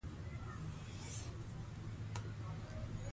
شفاف معیارونه د سمون مرسته کوي.